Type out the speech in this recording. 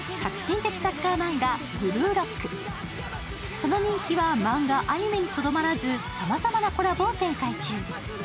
その人気はマンガ、アニメにとどまらず、さまざまなコラボを展開中。